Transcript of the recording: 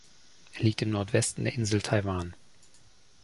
Er liegt im Nordwesten der Insel Taiwan.